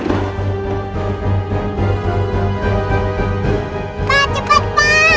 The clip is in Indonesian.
ini bisa dibuka